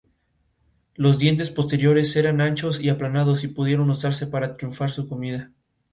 Los dientes posteriores eran anchos y aplanados, y pudieron usarse para triturar su comida.